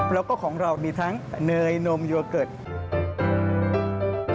แล้วก็ของเรามีทั้งเนยนมโยเกิร์ต